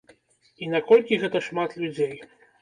І наколькі гэта шмат людзей?